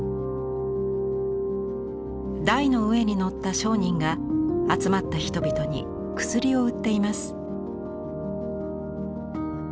台の上に乗った商人が集まった人々に薬を売っています。